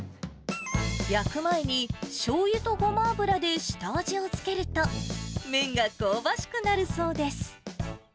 焼く前にしょうゆとごま油で下味をつけると、麺が香ばしくなるそうです。